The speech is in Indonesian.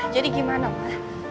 jadi gimana ma